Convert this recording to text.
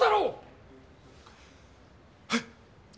はい。